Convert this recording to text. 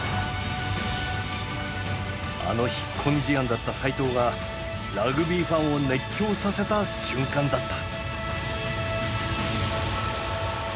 あの引っ込み思案だった齋藤がラグビーファンを熱狂させた瞬間だった。